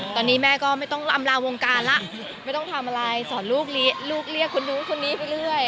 ตอนนี้แม่ก็ไม่ต้องอำลาวงการแล้วไม่ต้องทำอะไรสอนลูกเรียกคนนู้นคนนี้ไปเรื่อย